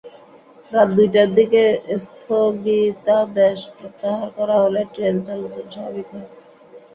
রাত দুইটার দিকে স্থগিতাদেশ প্রত্যাহার করা হলে ট্রেন চলাচল স্বাভাবিক হয়।